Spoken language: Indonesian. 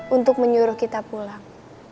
untuk menyuruh kita pulang